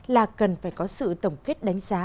là cần phải có sự tổng kết đánh giá